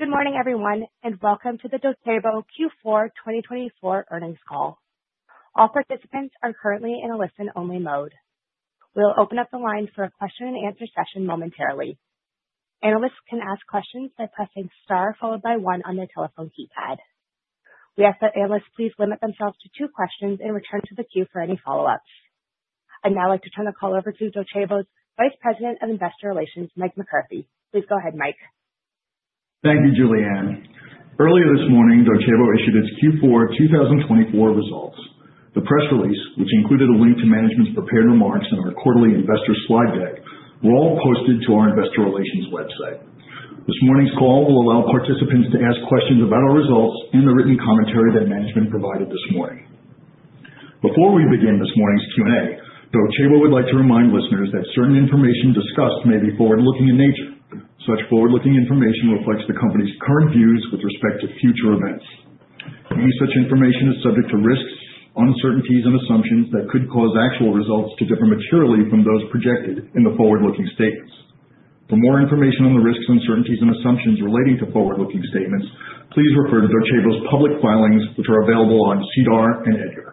Good morning, everyone, and welcome to the Docebo Q4 2024 earnings call. All participants are currently in a listen-only mode. We'll open up the lines for a question-and-answer session momentarily. Analysts can ask questions by pressing star followed by one on their telephone keypad. We ask that analysts please limit themselves to two questions and return to the queue for any follow-ups. I'd now like to turn the call over to Docebo's Vice President of Investor Relations, Mike McCarthy. Please go ahead, Mike. Thank you, Julianne. Earlier this morning, Docebo issued its Q4 2024 results. The press release, which included a link to management's prepared remarks and our quarterly investor slide deck, were all posted to our Investor Relations website. This morning's call will allow participants to ask questions about our results and the written commentary that management provided this morning. Before we begin this morning's Q&A, Docebo would like to remind listeners that certain information discussed may be forward-looking in nature. Such forward-looking information reflects the company's current views with respect to future events. Any such information is subject to risks, uncertainties, and assumptions that could cause actual results to differ materially from those projected in the forward-looking statements. For more information on the risks, uncertainties, and assumptions relating to forward-looking statements, please refer to Docebo's public filings, which are available on SEDAR and EDGAR.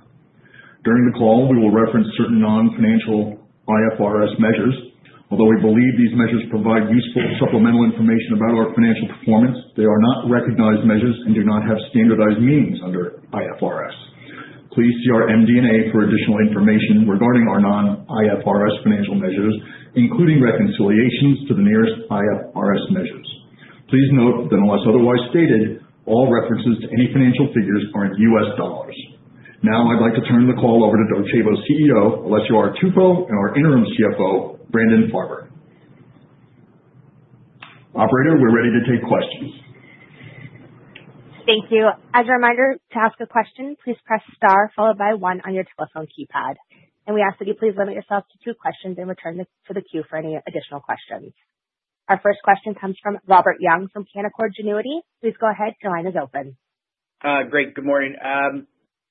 During the call, we will reference certain non-financial IFRS measures. Although we believe these measures provide useful supplemental information about our financial performance, they are not recognized measures and do not have standardized means under IFRS. Please see our MD&A for additional information regarding our non-IFRS financial measures, including reconciliations to the nearest IFRS measures. Please note that unless otherwise stated, all references to any financial figures are in U.S. dollars. Now, I'd like to turn the call over to Docebo's CEO, Alessio Artuffo, and our Interim CFO, Brandon Farber. Operator, we're ready to take questions. Thank you. As a reminder, to ask a question, please press star followed by one on your telephone keypad. We ask that you please limit yourself to two questions and return to the queue for any additional questions. Our first question comes from Robert Young from Canaccord Genuity. Please go ahead. Your line is open. Great. Good morning.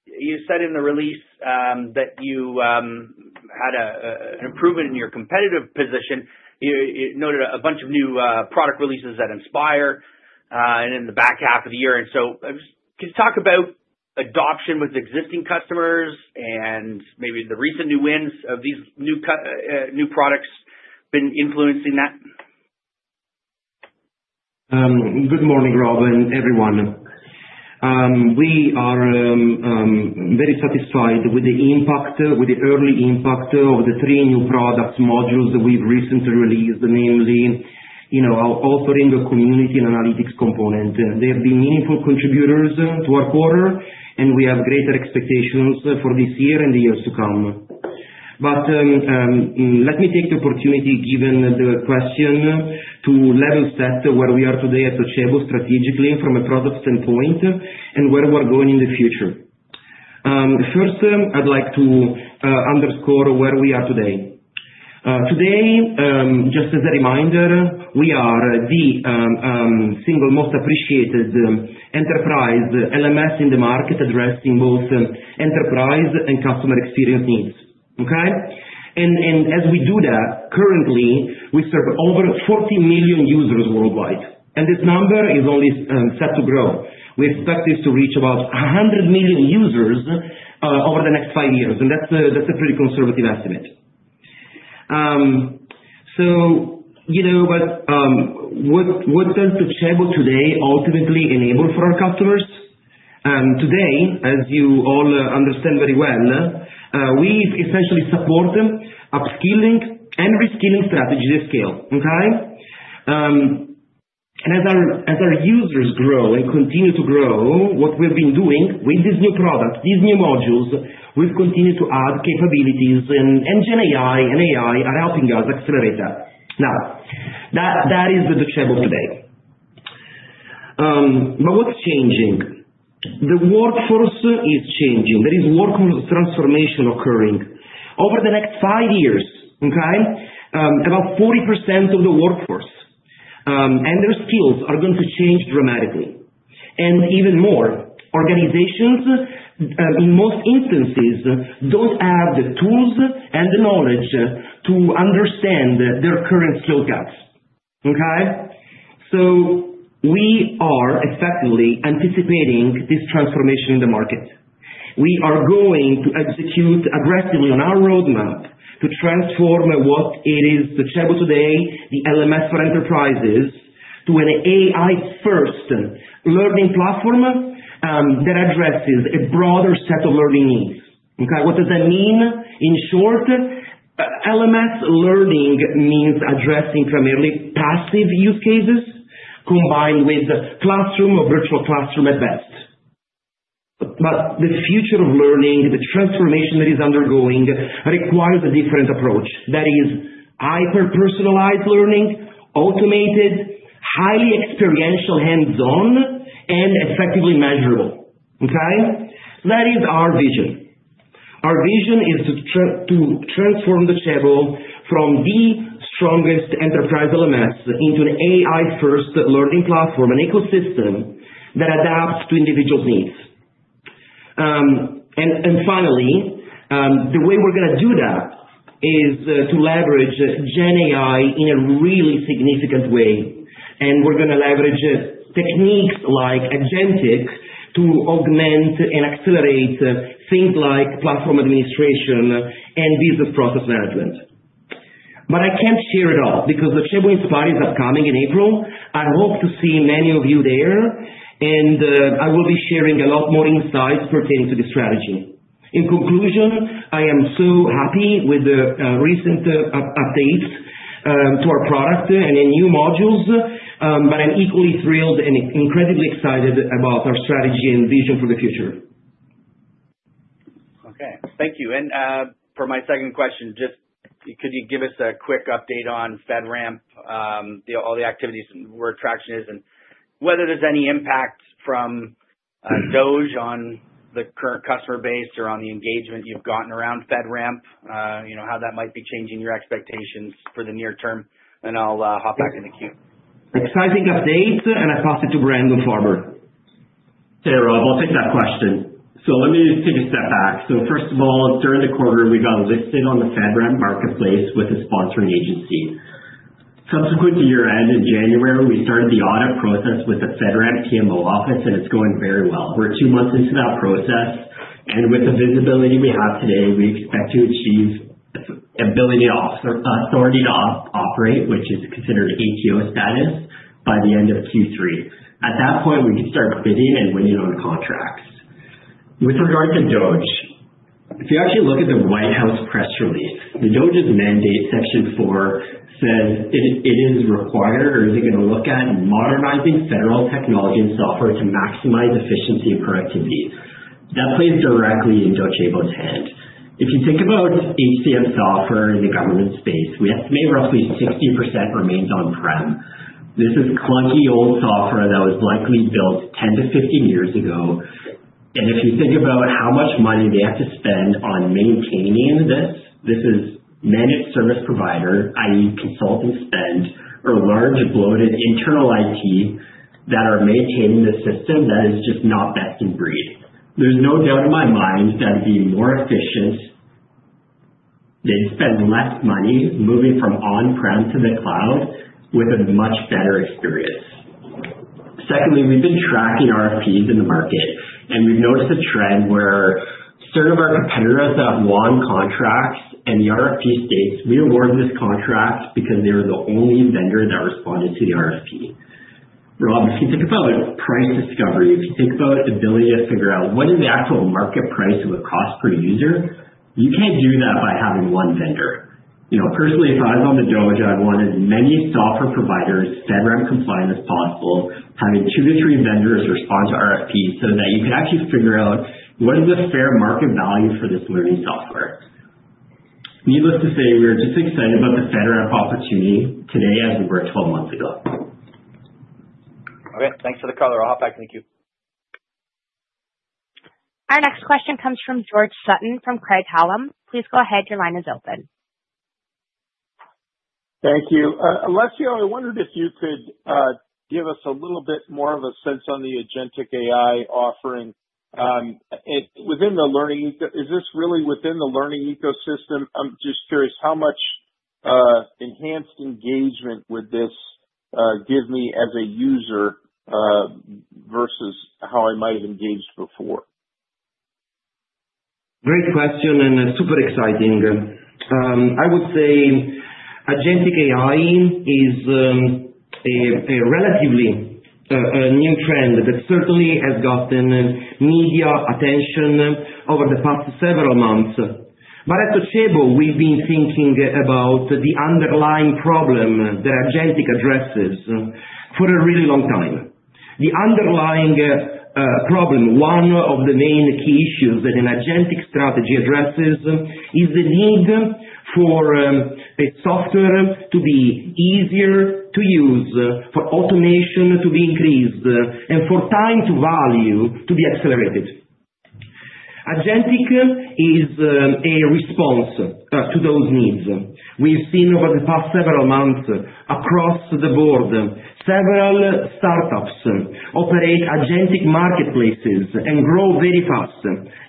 You said in the release that you had an improvement in your competitive position. You noted a bunch of new product releases at and in the back half of the year. Could you talk about adoption with existing customers and maybe the recent new wins of these new products been influencing that? Good morning, Rob and everyone. We are very satisfied with the impact, with the early impact of the three new product modules that we've recently released, namely our offering, a community and analytics component. They have been meaningful contributors to our quarter, and we have greater expectations for this year and the years to come. Let me take the opportunity, given the question, to level set where we are today at Docebo strategically from a product standpoint and where we're going in the future. First, I'd like to underscore where we are today. Today, just as a reminder, we are the single most appreciated enterprise LMS in the market addressing both enterprise and customer experience needs. Okay? As we do that, currently, we serve over 40 million users worldwide. This number is only set to grow. We expect this to reach about 100 million users over the next five years. That is a pretty conservative estimate. What does Docebo today ultimately enable for our customers? Today, as you all understand very well, we essentially support upskilling and reskilling strategies at scale. Okay? As our users grow and continue to grow, what we've been doing with this new product, these new modules, we've continued to add capabilities, and GenAI and AI are helping us accelerate that. That is the Docebo today. What is changing? The workforce is changing. There is workforce transformation occurring. Over the next five years, about 40% of the workforce and their skills are going to change dramatically. Even more, organizations in most instances do not have the tools and the knowledge to understand their current skill gaps. Okay? We are effectively anticipating this transformation in the market. We are going to execute aggressively on our roadmap to transform what it is Docebo today, the LMS for enterprises, to an AI-first learning platform that addresses a broader set of learning needs. Okay? What does that mean? In short, LMS learning means addressing primarily passive use cases combined with classroom or virtual classroom at best. The future of learning, the transformation that is undergoing, requires a different approach. That is hyper-personalized learning, automated, highly experiential, hands-on, and effectively measurable. Okay? That is our vision. Our vision is to transform Docebo from the strongest enterprise LMS into an AI-first learning platform, an ecosystem that adapts to individuals' needs. Finally, the way we're going to do that is to leverage GenAI in a really significant way. We are going to leverage techniques like agentic to augment and accelerate things like platform administration and business process management. I cannot share it all because Docebo Inspire is upcoming in April. I hope to see many of you there, and I will be sharing a lot more insights pertaining to the strategy. In conclusion, I am so happy with the recent updates to our product and the new modules, but I am equally thrilled and incredibly excited about our strategy and vision for the future. Okay. Thank you. For my second question, just could you give us a quick update on FedRAMP, all the activities where traction is, and whether there's any impact from Docebo on the current customer base or on the engagement you've gotten around FedRAMP, how that might be changing your expectations for the near term. I'll hop back in the queue. Exciting update, and I pass it to Brandon Farber. Hey, Rob. I'll take that question. Let me take a step back. First of all, during the quarter, we got listed on the FedRAMP marketplace with a sponsoring agency. Subsequent to your ad in January, we started the audit process with the FedRAMP PMO office, and it's going very well. We're two months into that process. With the visibility we have today, we expect to achieve ability and authority to operate, which is considered ATO status, by the end of Q3. At that point, we can start bidding and winning on contracts. With regard to Docebo, if you actually look at the White House press release, the Docebo's mandate section four says it is required, or is it going to look at modernizing federal technology and software to maximize efficiency and productivity. That plays directly in Docebo's hand. If you think about HCM software in the government space, we estimate roughly 60% remains on-prem. This is clunky old software that was likely built 10 to 15 years ago. If you think about how much money they have to spend on maintaining this, this is managed service provider, i.e., consulting spend, or large bloated internal IT that are maintaining the system that is just not best in breed. There's no doubt in my mind that it'd be more efficient to spend less money moving from on-prem to the cloud with a much better experience. Secondly, we've been tracking RFPs in the market, and we've noticed a trend where certain of our competitors that have won contracts and the RFP states, "We award this contract because they were the only vendor that responded to the RFP." Rob, if you think about price discovery, if you think about ability to figure out what is the actual market price of a cost per user, you can't do that by having one vendor. Personally, if I was on the Docebo, I want as many software providers, FedRAMP compliant as possible, having two to three vendors respond to RFPs so that you can actually figure out what is the fair market value for this learning software. Needless to say, we are just excited about the FedRAMP opportunity today as we were 12 months ago. Okay. Thanks for the call. I'll hop back in the queue. Our next question comes from George Sutton from Craig-Hallum. Please go ahead. Your line is open. Thank you. Alessio, I wondered if you could give us a little bit more of a sense on the agentic AI offering within the learning. Is this really within the learning ecosystem? I'm just curious how much enhanced engagement would this give me as a user versus how I might have engaged before? Great question and super exciting. I would say agentic AI is a relatively new trend that certainly has gotten media attention over the past several months. At Docebo, we've been thinking about the underlying problem that agentic addresses for a really long time. The underlying problem, one of the main key issues that an agentic strategy addresses, is the need for software to be easier to use, for automation to be increased, and for time to value to be accelerated. Agentic is a response to those needs. We've seen over the past several months across the board, several startups operate agentic marketplaces and grow very fast,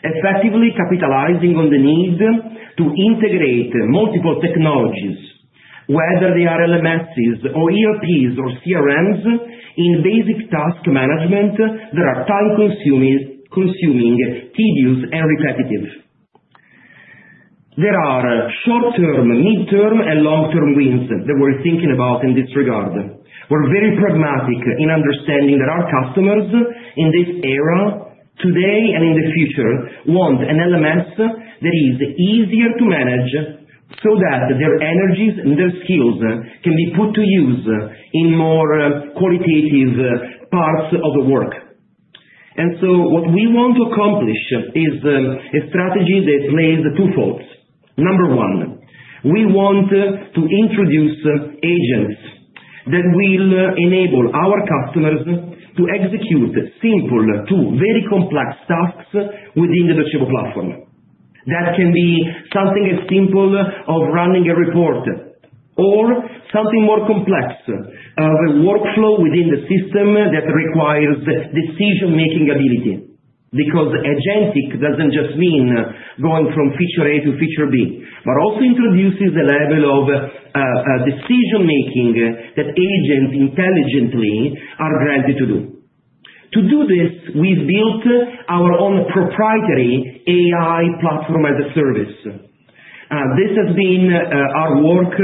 effectively capitalizing on the need to integrate multiple technologies, whether they are LMSs or ERPs or CRMs in basic task management that are time-consuming, tedious, and repetitive. There are short-term, midterm, and long-term wins that we're thinking about in this regard. We're very pragmatic in understanding that our customers in this era, today and in the future, want an LMS that is easier to manage so that their energies and their skills can be put to use in more qualitative parts of the work. What we want to accomplish is a strategy that plays twofold. Number one, we want to introduce agents that will enable our customers to execute simple to very complex tasks within the Docebo platform. That can be something as simple as running a report or something more complex of a workflow within the system that requires decision-making ability because agentic does not just mean going from feature A to feature B, but also introduces a level of decision-making that agents intelligently are granted to do. To do this, we've built our own proprietary AI platform as a service. This has been our work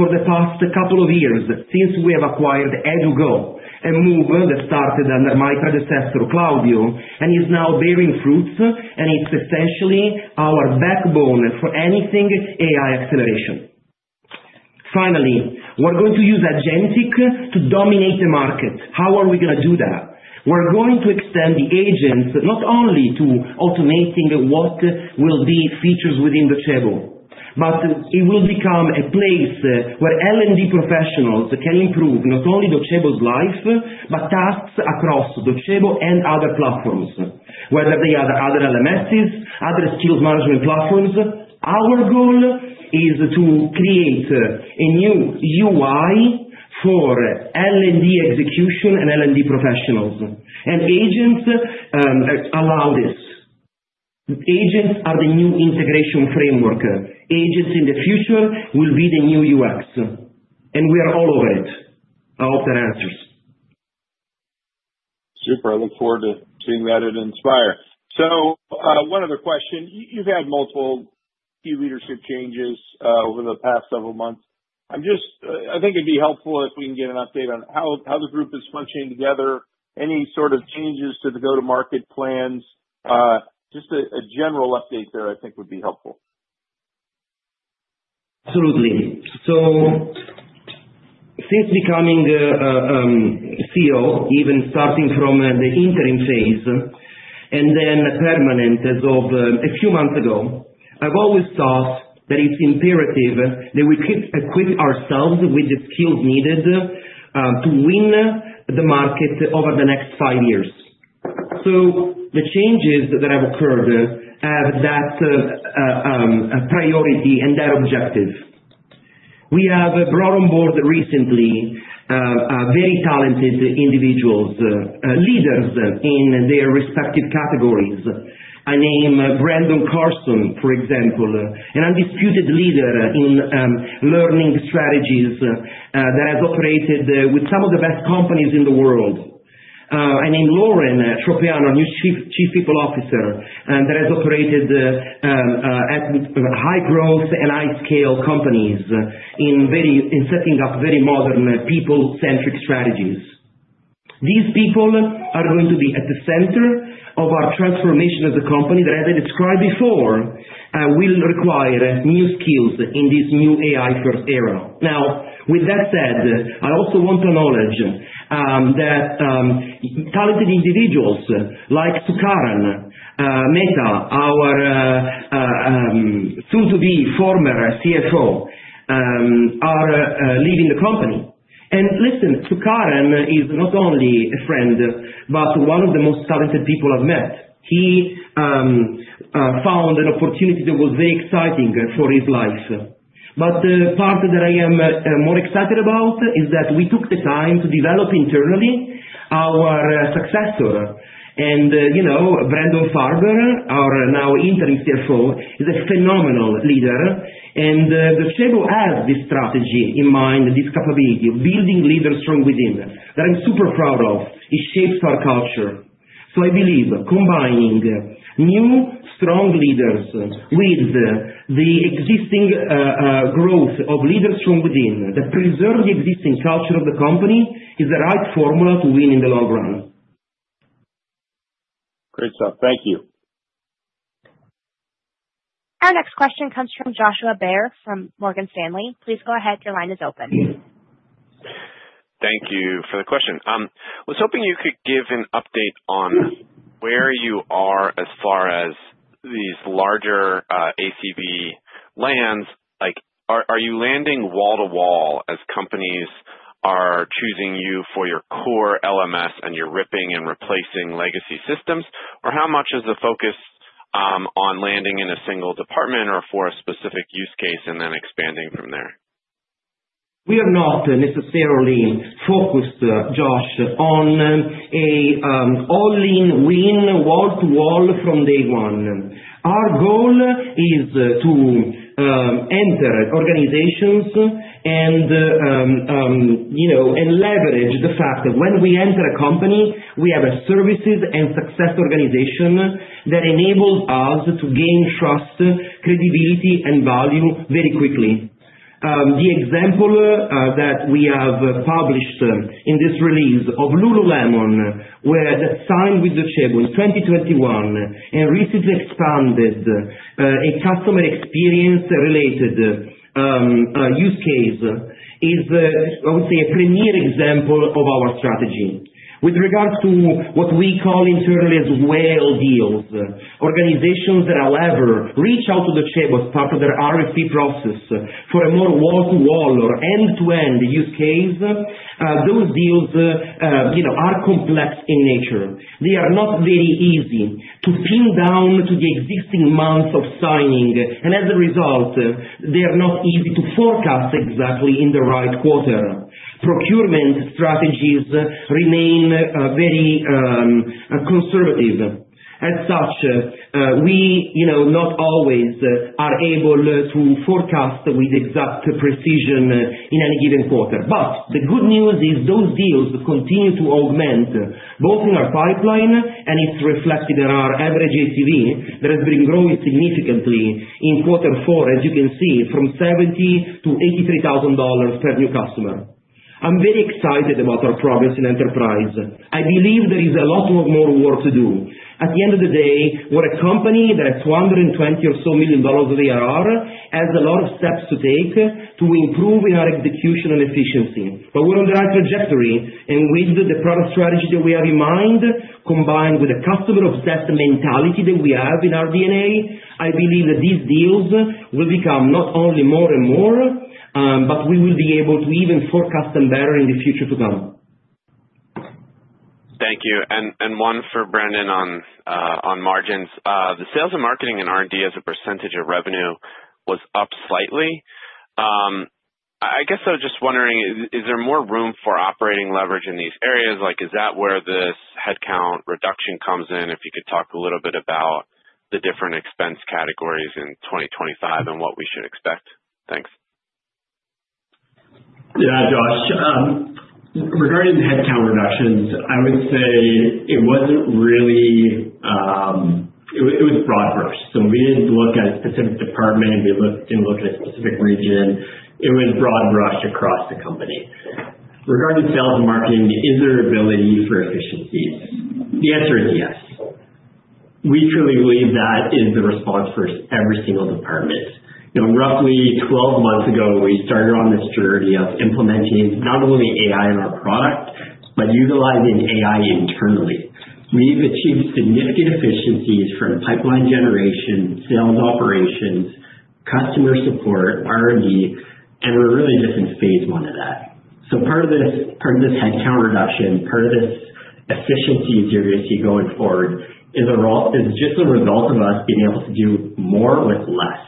for the past couple of years since we have acquired Edugo, a move that started under my predecessor, Claudio, and is now bearing fruits, and it's essentially our backbone for anything AI acceleration. Finally, we're going to use agentic to dominate the market. How are we going to do that? We're going to extend the agents not only to automating what will be features within Docebo, but it will become a place where L&D professionals can improve not only Docebo's life, but tasks across Docebo and other platforms, whether they are other LMSs, other skills management platforms. Our goal is to create a new UI for L&D execution and L&D professionals. Agents allow this. Agents are the new integration framework. Agents in the future will be the new UX. We are all over it. I hope that answers. Super. I look forward to seeing that at Inspire. One other question. You've had multiple key leadership changes over the past several months. I think it'd be helpful if we can get an update on how the group is functioning together, any sort of changes to the go-to-market plans. Just a general update there, I think, would be helpful. Absolutely. Since becoming CEO, even starting from the interim phase, and then permanent as of a few months ago, I've always thought that it's imperative that we equip ourselves with the skills needed to win the market over the next five years. The changes that have occurred have that priority and that objective. We have brought on board recently very talented individuals, leaders in their respective categories. I name Brandon Carson, for example, an undisputed leader in learning strategies that has operated with some of the best companies in the world. I name Lauren Tropiano, new Chief People Officer, that has operated at high growth and high-scale companies in setting up very modern people-centric strategies. These people are going to be at the center of our transformation as a company that, as I described before, will require new skills in this new AI-first era. Now, with that said, I also want to acknowledge that talented individuals like Sukaran Mehta, our soon-to-be former CFO, are leaving the company. Listen, Sukaran is not only a friend, but one of the most talented people I've met. He found an opportunity that was very exciting for his life. The part that I am more excited about is that we took the time to develop internally our successor. Brandon Farber, our now interim CFO, is a phenomenal leader. Docebo has this strategy in mind, this capability of building leaders from within that I'm super proud of. It shapes our culture. I believe combining new strong leaders with the existing growth of leaders from within that preserve the existing culture of the company is the right formula to win in the long run. Great stuff. Thank you. Our next question comes from Joshua Baer from Morgan Stanley. Please go ahead. Your line is open. Thank you for the question. I was hoping you could give an update on where you are as far as these larger ACV lands. Are you landing wall-to-wall as companies are choosing you for your core LMS and you're ripping and replacing legacy systems? Or how much is the focus on landing in a single department or for a specific use case and then expanding from there? We have not necessarily focused, Josh, on an all-in-win wall-to-wall from day one. Our goal is to enter organizations and leverage the fact that when we enter a company, we have a services and success organization that enables us to gain trust, credibility, and value very quickly. The example that we have published in this release of Lululemon, that signed with Docebo in 2021 and recently expanded a customer experience-related use case, is, I would say, a premier example of our strategy. With regard to what we call internally as whale deals, organizations that are levered, reach out to Docebo as part of their RFP process for a more wall-to-wall or end-to-end use case, those deals are complex in nature. They are not very easy to pin down to the existing month of signing. As a result, they are not easy to forecast exactly in the right quarter. Procurement strategies remain very conservative. As such, we not always are able to forecast with exact precision in any given quarter. The good news is those deals continue to augment both in our pipeline, and it's reflected in our average ACV that has been growing significantly in quarter four, as you can see, from $70,000 to $83,000 per new customer. I'm very excited about our progress in enterprise. I believe there is a lot more work to do. At the end of the day, we're a company that has $220 million or so of ARR, has a lot of steps to take to improve in our execution and efficiency. We're on the right trajectory. With the product strategy that we have in mind, combined with the customer-obsessed mentality that we have in our DNA, I believe that these deals will become not only more and more, but we will be able to even forecast them better in the future to come. Thank you. One for Brandon on margins. The sales and marketing and R&D as a percentage of revenue was up slightly. I guess I was just wondering, is there more room for operating leverage in these areas? Is that where this headcount reduction comes in? If you could talk a little bit about the different expense categories in 2025 and what we should expect? Thanks. Yeah, Josh. Regarding headcount reductions, I would say it was broad brush. We did not look at a specific department. We did not look at a specific region. It was broad brush across the company. Regarding sales and marketing, is there ability for efficiencies? The answer is yes. We truly believe that is the response for every single department. Roughly 12 months ago, we started on this journey of implementing not only AI in our product, but utilizing AI internally. We have achieved significant efficiencies from pipeline generation, sales operations, customer support, R&D, and we are really just in phase one of that. Part of this headcount reduction, part of this efficiency that you are going to see going forward is just a result of us being able to do more with less.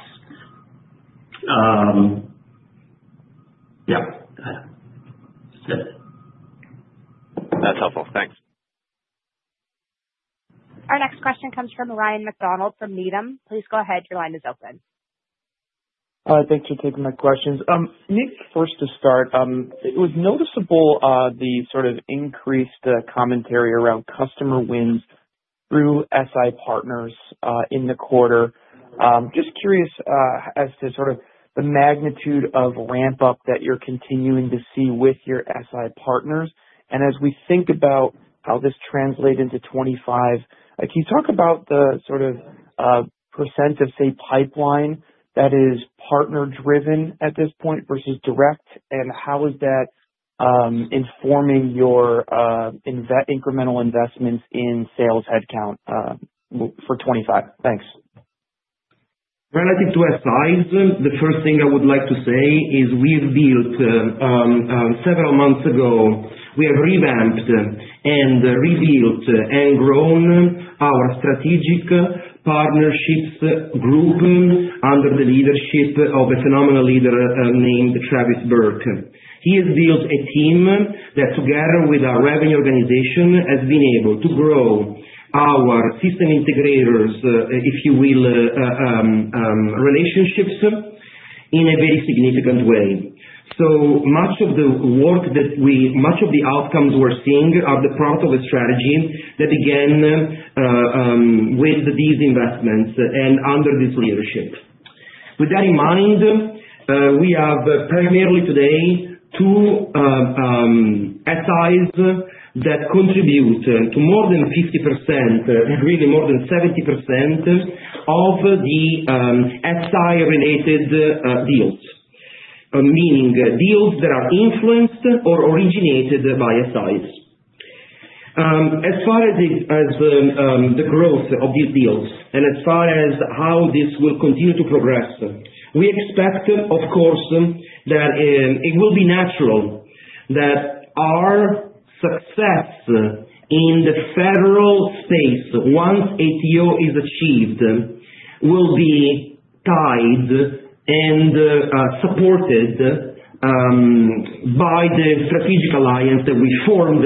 Yeah. That's helpful. Thanks. Our next question comes from Ryan McDonald from Needham. Please go ahead. Your line is open. Hi. Thanks for taking my questions. Maybe first to start, it was noticeable the sort of increased commentary around customer wins through SI Partners in the quarter. Just curious as to sort of the magnitude of ramp-up that you're continuing to see with your SI Partners. As we think about how this translates into 2025, can you talk about the sort of percent of, say, pipeline that is partner-driven at this point versus direct? How is that informing your incremental investments in sales headcount for 2025? Thanks. Relative to SIs, the first thing I would like to say is we've built several months ago, we have revamped and rebuilt and grown our strategic partnerships group under the leadership of a phenomenal leader named Travis Burke. He has built a team that, together with our revenue organization, has been able to grow our system integrators, if you will, relationships in a very significant way. Much of the work that we, much of the outcomes we're seeing are the product of a strategy that began with these investments and under this leadership. With that in mind, we have primarily today two SIs that contribute to more than 50%, really more than 70% of the SI-related deals, meaning deals that are influenced or originated by SIs. As far as the growth of these deals and as far as how this will continue to progress, we expect, of course, that it will be natural that our success in the federal space, once ATO is achieved, will be tied and supported by the strategic alliance that we formed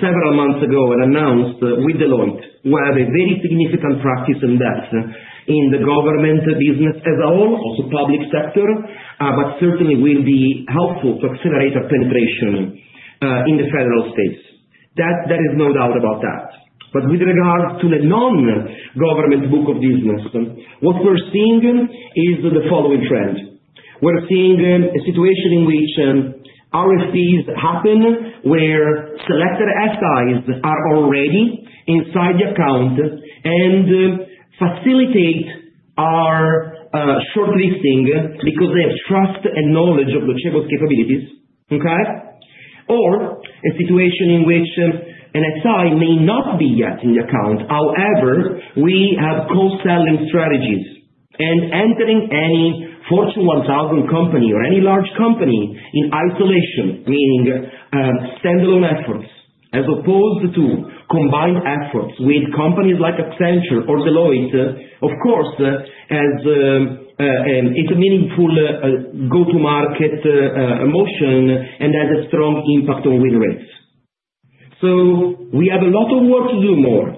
several months ago and announced with Deloitte. They have a very significant practice and depth in the government business as a whole, also public sector, but certainly will be helpful to accelerate our penetration in the federal space. There is no doubt about that. With regard to the non-government book of business, what we're seeing is the following trend. We're seeing a situation in which RFPs happen where selected SIs are already inside the account and facilitate our shortlisting because they have trust and knowledge of Docebo's capabilities, okay? A situation in which an SI may not be yet in the account. However, we have co-selling strategies. Entering any Fortune 1,000 company or any large company in isolation, meaning standalone efforts, as opposed to combined efforts with companies like Accenture or Deloitte, of course, it's a meaningful go-to-market motion and has a strong impact on win rates. We have a lot of work to do more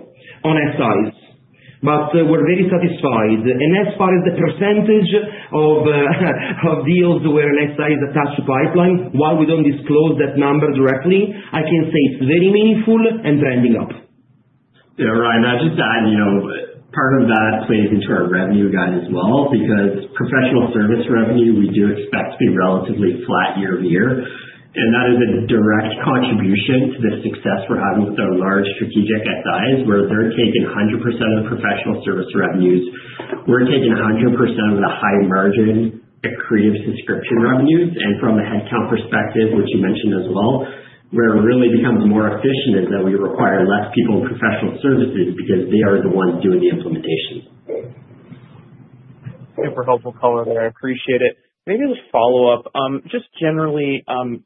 on SIs, but we're very satisfied. As far as the percentage of deals where an SI is attached to pipeline, while we don't disclose that number directly, I can say it's very meaningful and trending up. Yeah, Ryan, I'll just add part of that plays into our revenue guide as well because professional service revenue, we do expect to be relatively flat year over year. That is a direct contribution to the success we're having with our large strategic SIs, where they're taking 100% of the professional service revenues. We're taking 100% of the high-margin creative subscription revenues. From a headcount perspective, which you mentioned as well, where it really becomes more efficient is that we require fewer people in professional services because they are the ones doing the implementation. Super helpful, Colin. I appreciate it. Maybe just follow-up. Just generally, I'm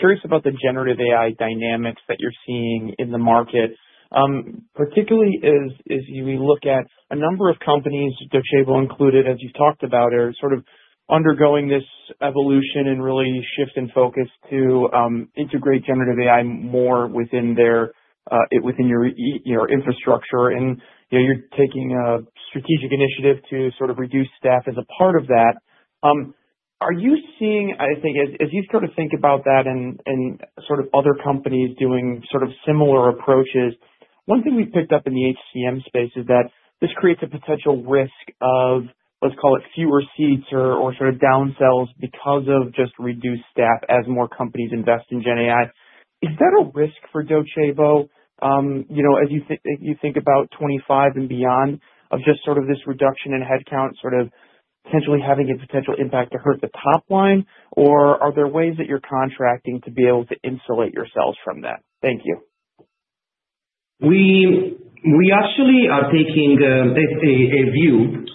curious about the generative AI dynamics that you're seeing in the market, particularly as we look at a number of companies, Docebo included, as you've talked about, are sort of undergoing this evolution and really shift in focus to integrate generative AI more within your infrastructure. You're taking a strategic initiative to sort of reduce staff as a part of that. Are you seeing, I think, as you sort of think about that and sort of other companies doing sort of similar approaches, one thing we've picked up in the HCM space is that this creates a potential risk of, let's call it, fewer seats or sort of downsells because of just reduced staff as more companies invest in GenAI. Is that a risk for Docebo as you think about 2025 and beyond of just sort of this reduction in headcount sort of potentially having a potential impact to hurt the top line? Or are there ways that you're contracting to be able to insulate yourselves from that? Thank you. We actually are taking a view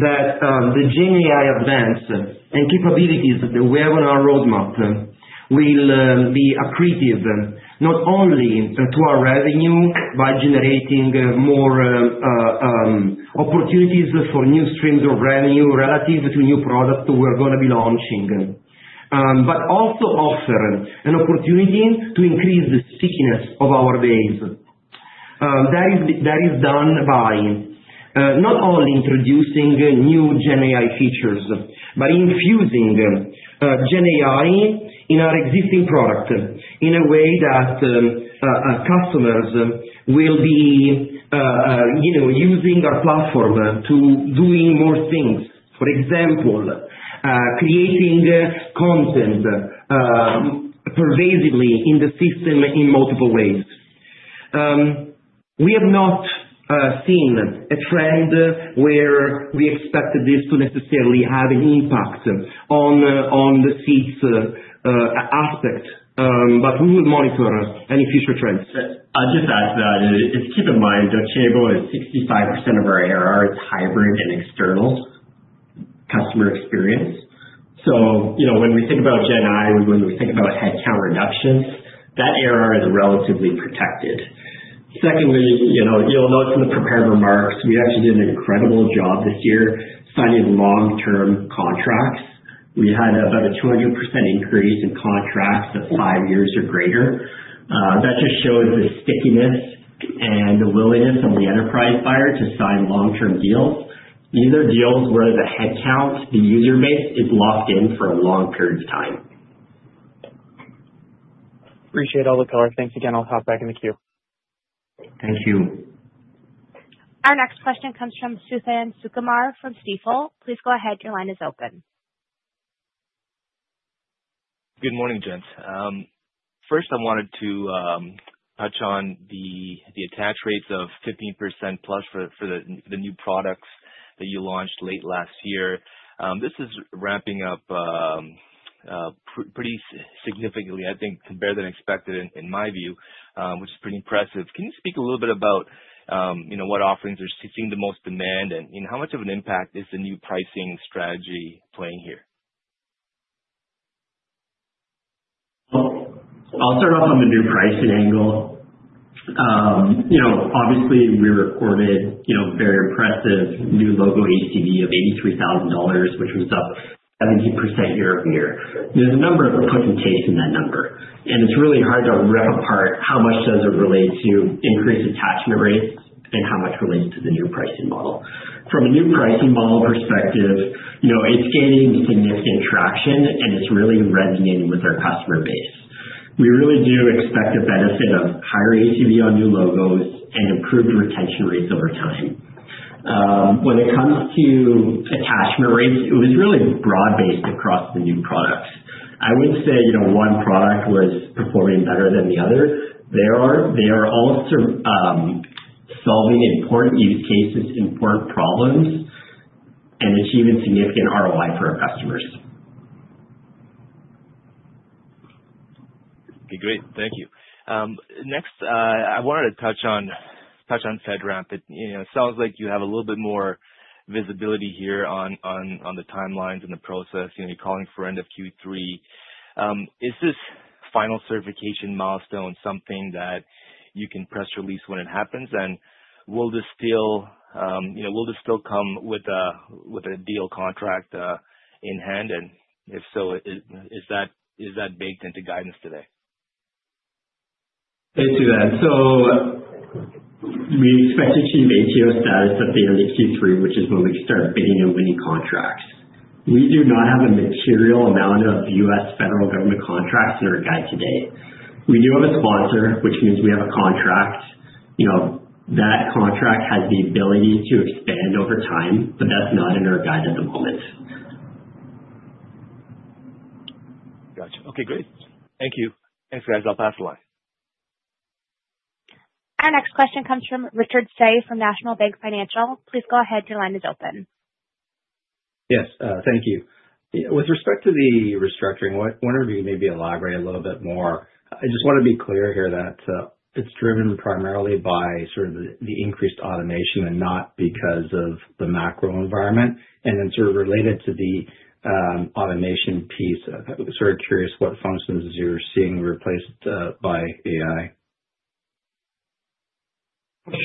that the GenAI advance and capabilities that we have on our roadmap will be accretive not only to our revenue by generating more opportunities for new streams of revenue relative to new products that we're going to be launching, but also offer an opportunity to increase the stickiness of our base. That is done by not only introducing new GenAI features, but infusing GenAI in our existing product in a way that customers will be using our platform to do more things. For example, creating content pervasively in the system in multiple ways. We have not seen a trend where we expected this to necessarily have an impact on the seats aspect, but we will monitor any future trends. I'll just add to that. Keep in mind, Docebo is 65% of our ARR is hybrid and external customer experience. So when we think about GenAI, when we think about headcount reductions, that ARR is relatively protected. Secondly, you'll note from the prepared remarks, we actually did an incredible job this year signing long-term contracts. We had about a 200% increase in contracts of five years or greater. That just shows the stickiness and the willingness of the enterprise buyer to sign long-term deals, either deals where the headcount, the user base, is locked in for a long period of time. Appreciate all the color. Thanks again. I'll hop back in the queue. Thank you. Our next question comes from Suthan Sukumar from Stifel. Please go ahead. Your line is open. Good morning, gents. First, I wanted to touch on the attach rates of 15% plus for the new products that you launched late last year. This is ramping up pretty significantly, I think, compared to expected, in my view, which is pretty impressive. Can you speak a little bit about what offerings are seeing the most demand and how much of an impact is the new pricing strategy playing here? I'll start off on the new pricing angle. Obviously, we recorded very impressive new logo ATV of $83,000, which was up 70% year-over-year. There's a number of push and takes in that number. It's really hard to rip apart how much does it relate to increased attachment rates and how much relates to the new pricing model. From a new pricing model perspective, it's gaining significant traction, and it's really resonating with our customer base. We really do expect a benefit of higher ATV on new logos and improved retention rates over time. When it comes to attachment rates, it was really broad-based across the new products. I wouldn't say one product was performing better than the other. They are all solving important use cases, important problems, and achieving significant ROI for our customers. Okay, great. Thank you. Next, I wanted to touch on FedRAMP, but it sounds like you have a little bit more visibility here on the timelines and the process. You are calling for end of Q3. Is this final certification milestone something that you can press release when it happens? Will this still come with a deal contract in hand? If so, is that baked into guidance today? Thanks for that. We expect to achieve ATO status at the end of Q3, which is when we start bidding and winning contracts. We do not have a material amount of U.S. federal government contracts in our guide today. We do have a sponsor, which means we have a contract. That contract has the ability to expand over time, but that's not in our guide at the moment. Gotcha. Okay, great. Thank you. Thanks, guys. I'll pass the line. Our next question comes from Richard Tse from National Bank Financial. Please go ahead. Your line is open. Yes, thank you. With respect to the restructuring, one of you may be elaborating a little bit more. I just want to be clear here that it's driven primarily by sort of the increased automation and not because of the macro environment. Sort of related to the automation piece, sort of curious what functions you're seeing replaced by AI?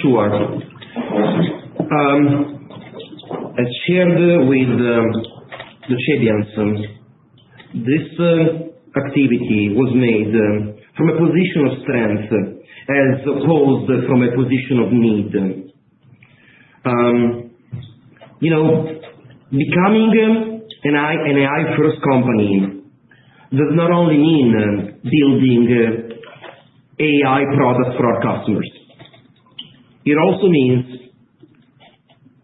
Sure. As shared with the champions, this activity was made from a position of strength as opposed to from a position of need. Becoming an AI-first company does not only mean building AI products for our customers. It also means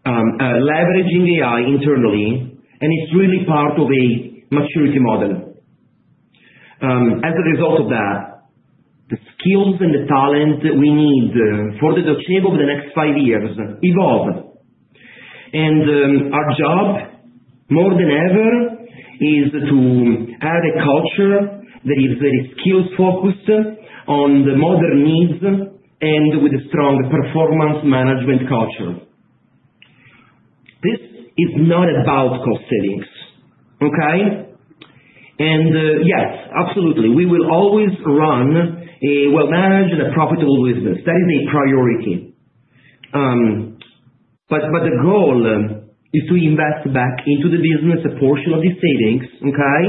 leveraging AI internally, and it is really part of a maturity model. As a result of that, the skills and the talent that we need for Docebo over the next five years evolve. Our job, more than ever, is to have a culture that is very skills-focused on the modern needs and with a strong performance management culture. This is not about cost savings, okay? Yes, absolutely, we will always run a well-managed and a profitable business. That is a priority. The goal is to invest back into the business a portion of these savings, okay,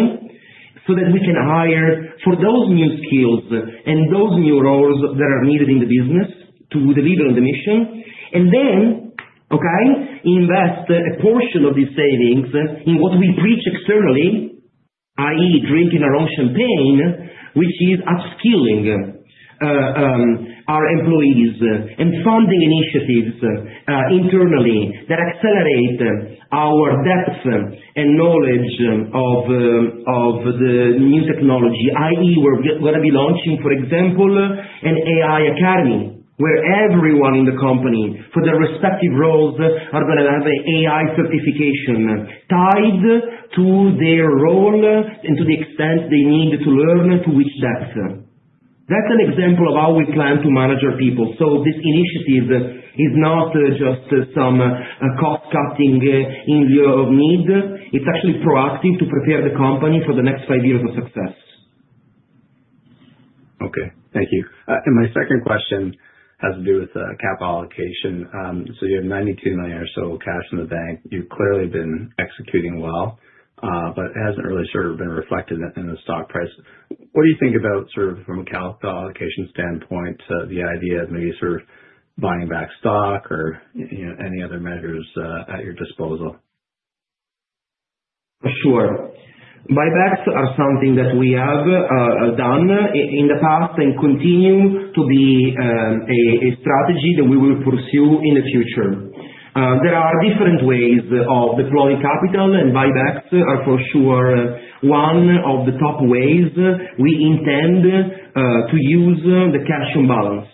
so that we can hire for those new skills and those new roles that are needed in the business to deliver on the mission. Then, okay, invest a portion of these savings in what we preach externally, i.e., drinking our own champagne, which is upskilling our employees and funding initiatives internally that accelerate our depth and knowledge of the new technology, i.e., we're going to be launching, for example, an AI Academy where everyone in the company for their respective roles are going to have an AI certification tied to their role and to the extent they need to learn to which depth. That's an example of how we plan to manage our people. This initiative is not just some cost-cutting in view of need. It's actually proactive to prepare the company for the next five years of success. Thank you. My second question has to do with capital allocation. You have $92 million or so cash in the bank. You have clearly been executing well, but it has not really sort of been reflected in the stock price. What do you think about sort of from a capital allocation standpoint, the idea of maybe sort of buying back stock or any other measures at your disposal? Sure. Buybacks are something that we have done in the past and continue to be a strategy that we will pursue in the future. There are different ways of deploying capital, and buybacks are for sure one of the top ways we intend to use the cash on balance.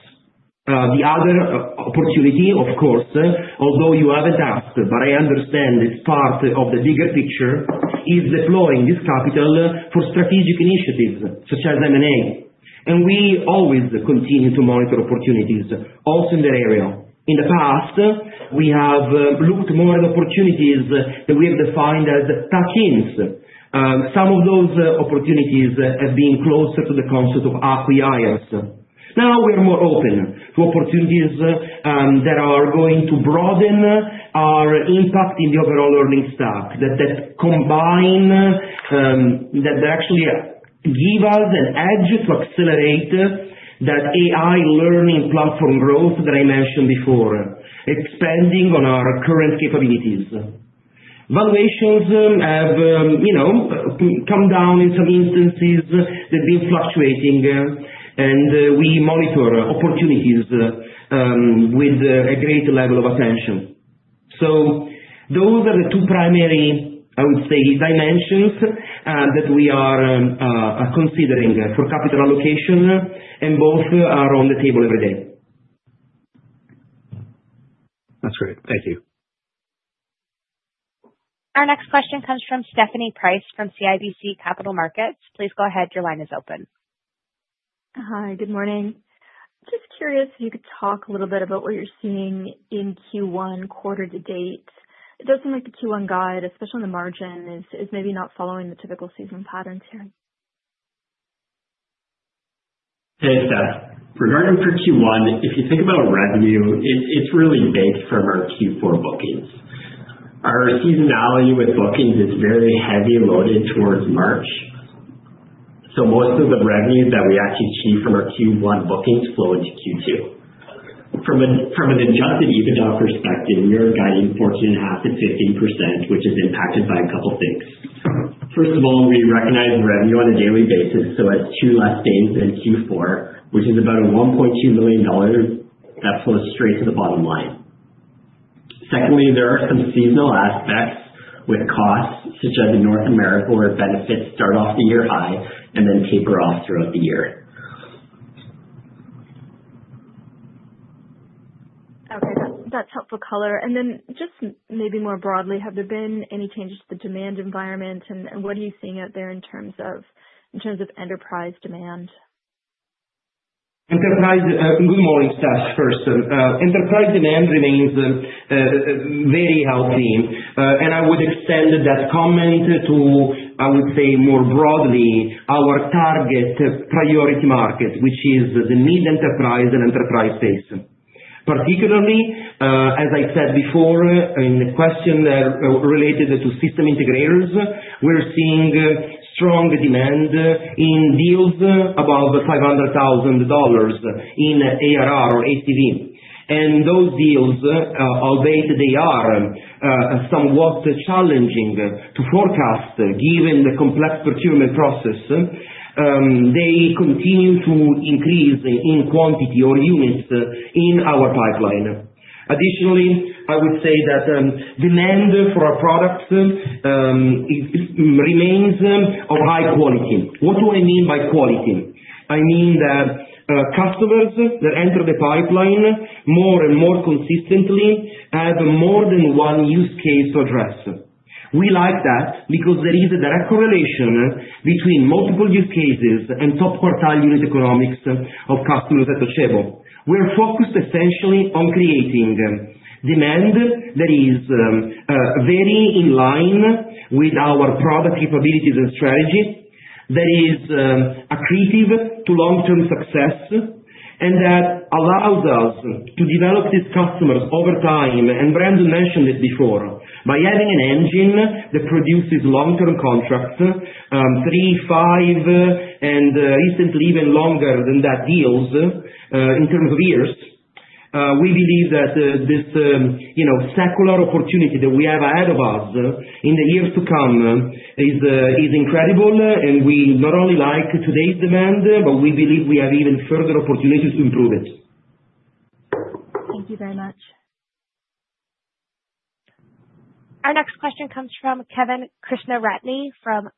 The other opportunity, of course, although you have not asked, but I understand it is part of the bigger picture, is deploying this capital for strategic initiatives such as M&A. We always continue to monitor opportunities, also in that area. In the past, we have looked more at opportunities that we have defined as tuck-ins. Some of those opportunities have been closer to the concept of acquirers. Now we are more open to opportunities that are going to broaden our impact in the overall learning stack, that actually give us an edge to accelerate that AI learning platform growth that I mentioned before, expanding on our current capabilities. Valuations have come down in some instances. They have been fluctuating, and we monitor opportunities with a greater level of attention. Those are the two primary, I would say, dimensions that we are considering for capital allocation, and both are on the table every day. That's great. Thank you. Our next question comes from Stephanie Price from CIBC Capital Markets. Please go ahead. Your line is open. Hi, good morning. Just curious if you could talk a little bit about what you're seeing in Q1 quarter to date. It does seem like the Q1 guide, especially on the margin, is maybe not following the typical seasonal patterns here? Thanks, Seth. Regarding for Q1, if you think about revenue, it's really baked from our Q4 bookings. Our seasonality with bookings is very heavy loaded towards March. Most of the revenue that we actually achieve from our Q1 bookings flow into Q2. From an adjusted EBITDA perspective, we are guiding 14.5%-15%, which is impacted by a couple of things. First of all, we recognize revenue on a daily basis, so it's two less days than Q4, which is about $1.2 million that flows straight to the bottom line. Secondly, there are some seasonal aspects with costs such as the North America or benefits start off the year high and then taper off throughout the year. Okay. That's helpful color. Just maybe more broadly, have there been any changes to the demand environment, and what are you seeing out there in terms of enterprise demand? Good morning, Seth first. Enterprise demand remains very healthy. I would extend that comment to, I would say, more broadly, our target priority market, which is the mid-enterprise and enterprise base. Particularly, as I said before, in the question related to system integrators, we are seeing strong demand in deals above $500,000 in ARR or ATV. Those deals, albeit they are somewhat challenging to forecast given the complex procurement process, continue to increase in quantity or units in our pipeline. Additionally, I would say that demand for our products remains of high quality. What do I mean by quality? I mean that customers that enter the pipeline more and more consistently have more than one use case to address. We like that because there is a direct correlation between multiple use cases and top quartile unit economics of customers at Docebo. We are focused essentially on creating demand that is very in line with our product capabilities and strategy, that is accretive to long-term success, and that allows us to develop these customers over time. Brandon mentioned it before. By having an engine that produces long-term contracts, three, five, and recently even longer than that deals in terms of years, we believe that this secular opportunity that we have ahead of us in the years to come is incredible. We not only like today's demand, but we believe we have even further opportunities to improve it. Thank you very much. Our next question comes from Kevin Krishnaratne from.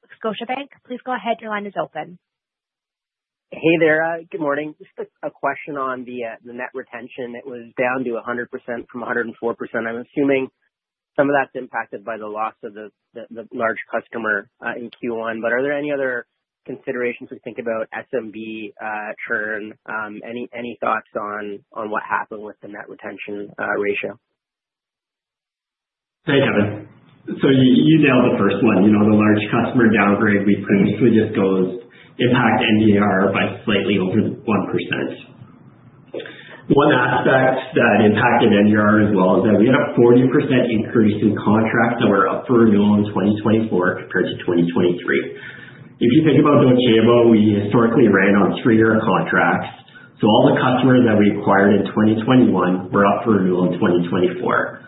Please go ahead. Your line is open. Hey there. Good morning. Just a question on the net retention. It was down to 100% from 104%. I'm assuming some of that's impacted by the loss of the large customer in Q1. Are there any other considerations when you think about SMB churn? Any thoughts on what happened with the net retention ratio? Hey, Kevin. You nailed the first one. The large customer downgrade we previously discussed impacted NDR by slightly over 1%. One aspect that impacted NDR as well is that we had a 40% increase in contracts that were up for renewal in 2024 compared to 2023. If you think about Docebo, we historically ran on three-year contracts. All the customers that we acquired in 2021 were up for renewal in 2024.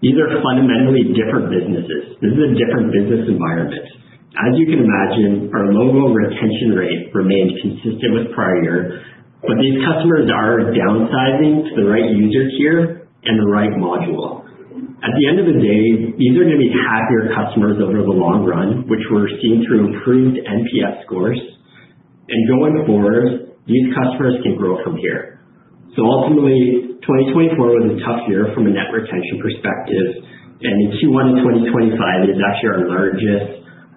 These are fundamentally different businesses. This is a different business environment. As you can imagine, our logo retention rate remained consistent with prior year, but these customers are downsizing to the right user tier and the right module. At the end of the day, these are going to be happier customers over the long run, which we're seeing through improved NPS scores. Going forward, these customers can grow from here. Ultimately, 2024 was a tough year from a net retention perspective. In Q1 of 2025, it is actually our largest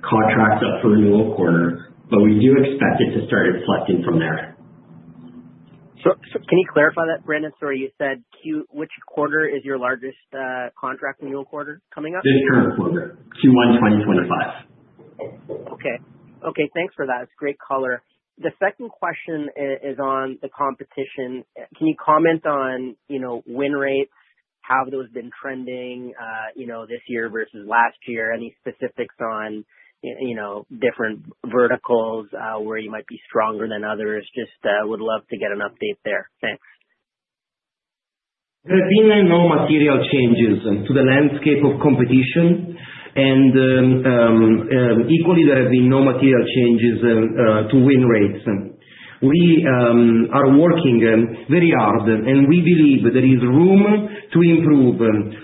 contract up for renewal quarter, but we do expect it to start reflecting from there. Can you clarify that, Brandon? You said which quarter is your largest contract renewal quarter coming up? This current quarter, Q1 2025. Okay. Okay. Thanks for that. It's great color. The second question is on the competition. Can you comment on win rates? How have those been trending this year versus last year? Any specifics on different verticals where you might be stronger than others? Just would love to get an update there. Thanks. There have been no material changes to the landscape of competition, and equally, there have been no material changes to win rates. We are working very hard, and we believe there is room to improve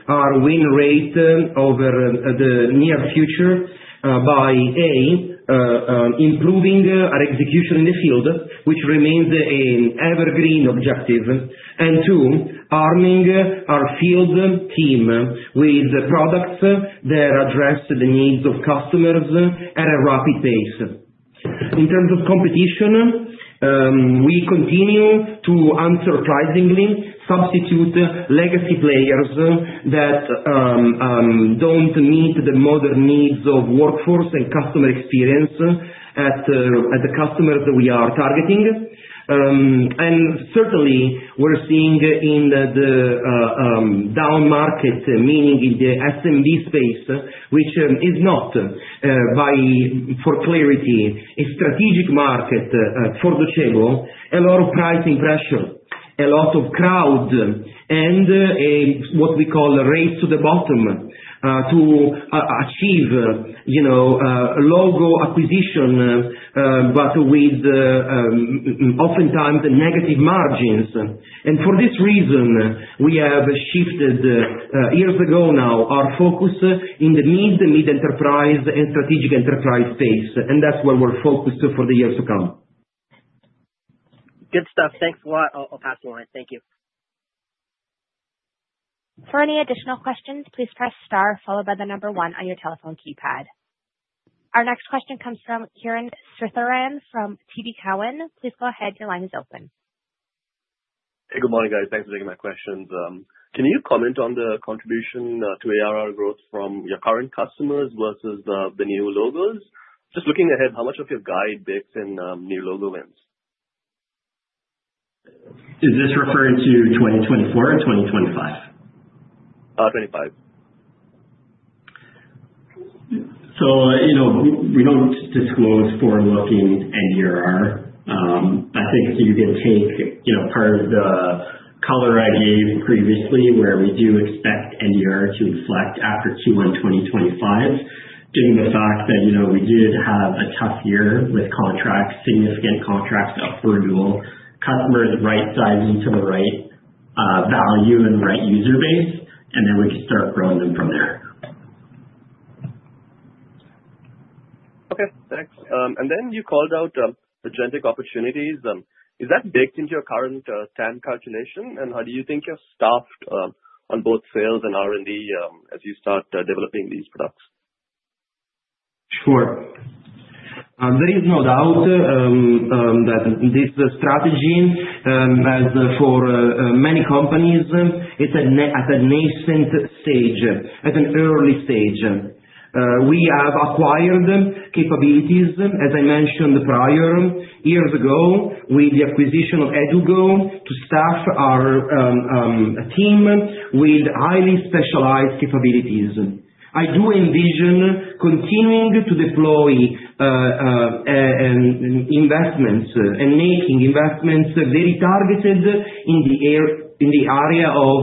our win rate over the near future by, A, improving our execution in the field, which remains an evergreen objective, and, two, arming our field team with products that address the needs of customers at a rapid pace. In terms of competition, we continue, too unsurprisingly, to substitute legacy players that do not meet the modern needs of workforce and customer experience at the customers that we are targeting. Certainly, we're seeing in the down market, meaning in the SMB space, which is not, for clarity, a strategic market for Docebo, a lot of pricing pressure, a lot of crowd, and what we call race to the bottom to achieve logo acquisition, but with oftentimes negative margins. For this reason, we have shifted years ago now our focus in the mid-enterprise and strategic enterprise space. That's where we're focused for the years to come. Good stuff. Thanks a lot. I'll pass the line. Thank you. For any additional questions, please press star followed by the number one on your telephone keypad. Our next question comes from Kiran Sritharan from TD Cowen. Please go ahead. Your line is open. Hey, good morning, guys. Thanks for taking my questions. Can you comment on the contribution to ARR growth from your current customers versus the new logos? Just looking ahead, how much of your guide bakes in new logo wins? Is this referring to 2024 or 2025? 25. We do not disclose forward-looking NDR. I think you can take part of the color I gave previously where we do expect NDR to reflect after Q1 2025, given the fact that we did have a tough year with significant contracts up for renewal, customers right-sizing to the right value and right user base, and then we can start growing them from there. Okay. Thanks. You called out the GenAI opportunities. Is that baked into your current TAM calculation, and how do you think you're staffed on both sales and R&D as you start developing these products? Sure. There is no doubt that this strategy, as for many companies, is at a nascent stage, at an early stage. We have acquired capabilities, as I mentioned prior, years ago with the acquisition of Edugo to staff our team with highly specialized capabilities. I do envision continuing to deploy investments and making investments very targeted in the area of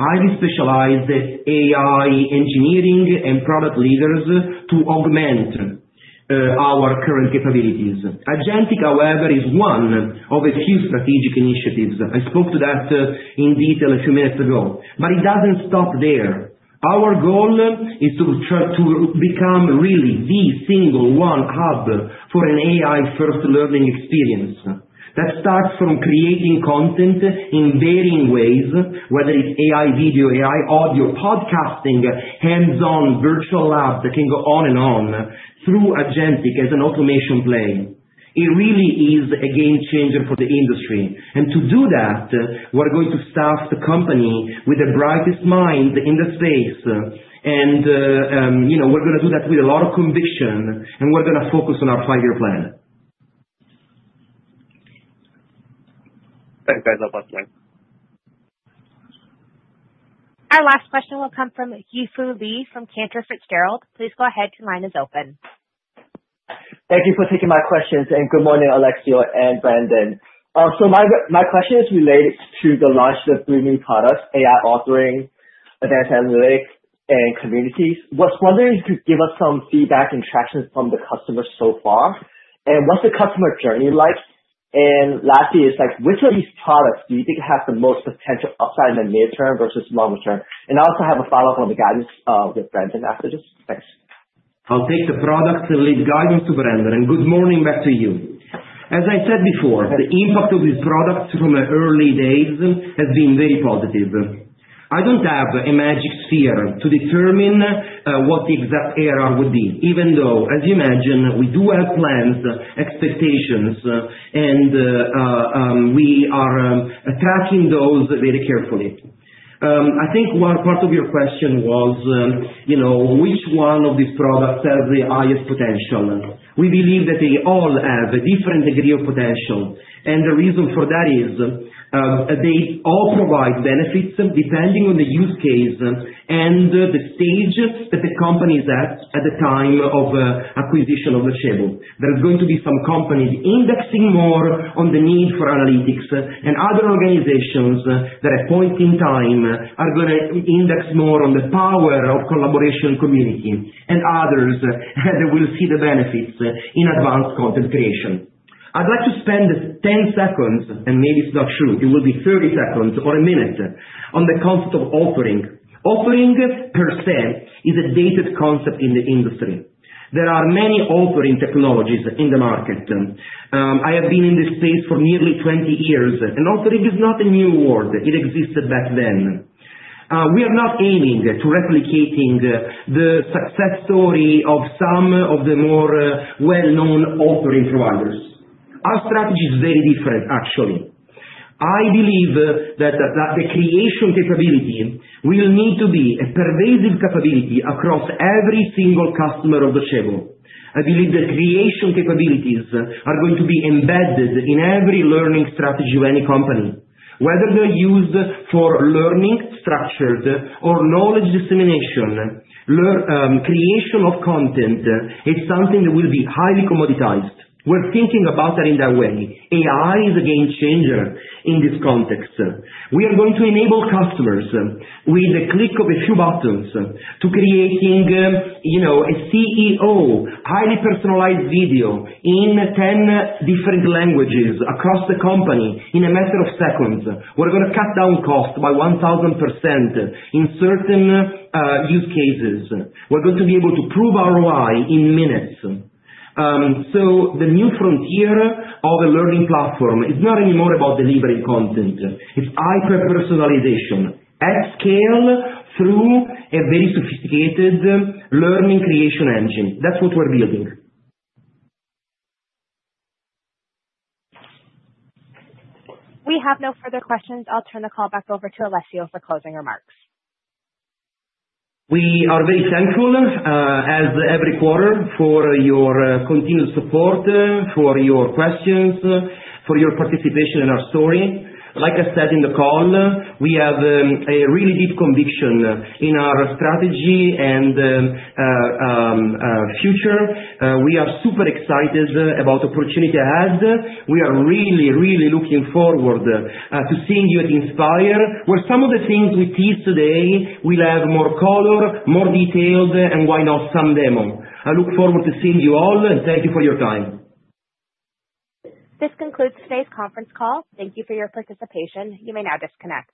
highly specialized AI engineering and product leaders to augment our current capabilities. Agentic, however, is one of a few strategic initiatives. I spoke to that in detail a few minutes ago, but it does not stop there. Our goal is to become really the single one hub for an AI-first learning experience that starts from creating content in varying ways, whether it is AI video, AI audio, podcasting, hands-on virtual labs that can go on and on through Agentic as an automation play. It really is a game changer for the industry. To do that, we're going to staff the company with the brightest minds in the space. We're going to do that with a lot of conviction, and we're going to focus on our five-year plan. Thank you, guys. I'll pass the line. Our last question will come from Yi Fu Lee from Cantor Fitzgerald. Please go ahead. Your line is open. Thank you for taking my questions. Good morning, Alessio and Brandon. My question is related to the launch of three new products: AI Authoring, Advanced Analytics, and Communities. I was wondering if you could give us some feedback and traction from the customers so far. What's the customer journey like? Lastly, which of these products do you think has the most potential upside in the near term versus longer term? I also have a follow-up on the guidance with Brandon after this. Thanks. I'll take the product lead guidance to Brandon. Good morning back to you. As I said before, the impact of this product from the early days has been very positive. I don't have a magic sphere to determine what the exact ARR would be, even though, as you mentioned, we do have plans, expectations, and we are tracking those very carefully. I think one part of your question was which one of these products has the highest potential. We believe that they all have a different degree of potential. The reason for that is they all provide benefits depending on the use case and the stage that the company is at at the time of acquisition of Docebo. There's going to be some companies indexing more on the need for analytics, and other organizations that at point in time are going to index more on the power of collaboration community and others that will see the benefits in advanced content creation. I'd like to spend 10 seconds, and maybe it's not true. It will be 30 seconds or a minute on the concept of authoring. Authoring, per se, is a dated concept in the industry. There are many authoring technologies in the market. I have been in this space for nearly 20 years, and authoring is not a new word. It existed back then. We are not aiming to replicate the success story of some of the more well-known authoring providers. Our strategy is very different, actually. I believe that the creation capability will need to be a pervasive capability across every single customer of Docebo. I believe the creation capabilities are going to be embedded in every learning strategy of any company, whether they're used for learning structured or knowledge dissemination. Creation of content is something that will be highly commoditized. We're thinking about that in that way. AI is a game changer in this context. We are going to enable customers with the click of a few buttons to create a CEO highly personalized video in 10 different languages across the company in a matter of seconds. We're going to cut down cost by 1,000% in certain use cases. We're going to be able to prove ROI in minutes. The new frontier of a learning platform is not anymore about delivering content. It's hyper-personalization at scale through a very sophisticated learning creation engine. That's what we're building. We have no further questions. I'll turn the call back over to Alessio for closing remarks. We are very thankful, as every quarter, for your continued support, for your questions, for your participation in our story. Like I said in the call, we have a really deep conviction in our strategy and future. We are super excited about the opportunity ahead. We are really, really looking forward to seeing you at Inspire, where some of the things we teased today will have more color, more detail, and why not some demo. I look forward to seeing you all, and thank you for your time. This concludes today's conference call. Thank you for your participation. You may now disconnect.